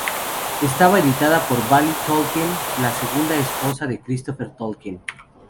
Estaba editada por Baillie Tolkien, la segunda esposa de Christopher Tolkien.